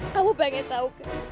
kamu pengen tau kan